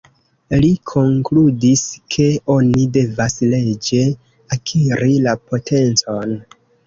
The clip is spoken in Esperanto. Li konkludis, ke oni devas leĝe akiri la potencon.